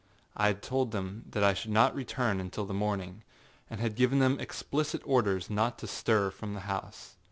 I had told them that I should not return until the morning, and had given them explicit orders not to stir from the house.